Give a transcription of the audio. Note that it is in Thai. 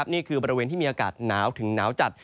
บริเวณที่มีอากาศหนาวถึงหนาวจัด